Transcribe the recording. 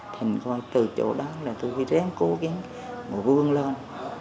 thành coi từ chỗ đó là tôi phải ráng cố gắng vươn lên